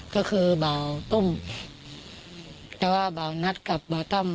ก็คือเบาตุ้มจะว่าเบาทับเป็นเบาตั้ง